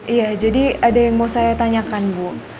iya jadi ada yang mau saya tanyakan bu